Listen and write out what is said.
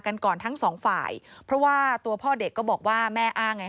กันก่อนทั้งสองฝ่ายเพราะว่าตัวพ่อเด็กก็บอกว่าแม่อ้างไง